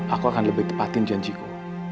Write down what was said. aku akan lebih tepatin janjiku